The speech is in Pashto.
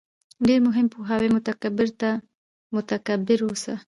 ډېر مهم پوهاوی: متکبِّر نه، مُبتَکِر اوسه